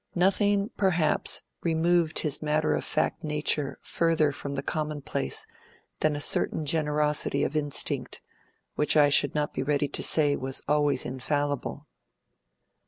Nothing, perhaps, removed his matter of fact nature further from the commonplace than a certain generosity of instinct, which I should not be ready to say was always infallible.